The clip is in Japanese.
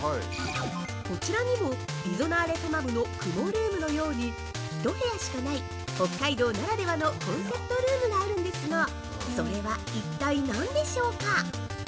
こちらにもリゾナーレトマムの雲ルームのように一部屋しかない北海道ならではのコンセプトルームがあるんですがそれは一体、何でしょうか？